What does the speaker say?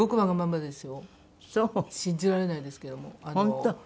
信じられないですけども。